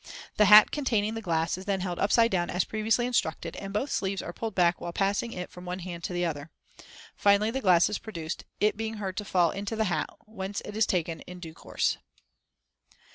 The hat containing the glass is then held upside down as previously instructed, and both sleeves are pulled back while passing it from one hand to the other. Finally the glass is produced, it being heard to fall into the hat, whence it is taken in due course.